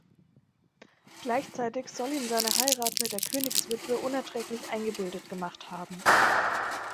Gleichzeitig soll ihn seine Heirat mit der Königswitwe unerträglich eingebildet gemacht haben.